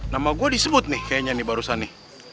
nama gue disebut nih kayaknya nih barusan nih